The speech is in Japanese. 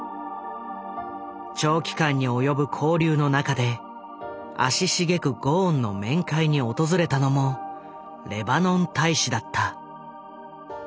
長期間に及ぶ勾留の中で足しげくゴーンの面会に訪れたのもレバノン大使だった。